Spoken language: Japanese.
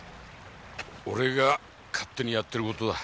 俺が勝手にやってる事だ。